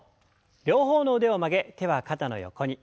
両方の腕を曲げ手は肩の横に。